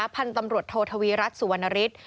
พันธุ์ตำรวจโททวีรัฐสุวรรณฤทธิ์